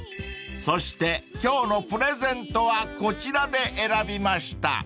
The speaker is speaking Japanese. ［そして今日のプレゼントはこちらで選びました］